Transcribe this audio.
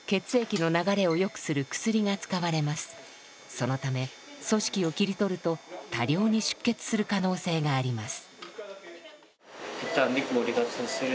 そのため組織を切り取ると多量に出血する可能性があります。